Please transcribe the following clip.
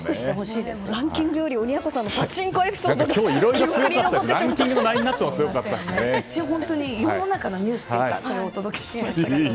ランキングより鬼奴さんのパチンコエピソードのほうが世の中のニュースをお届けしました。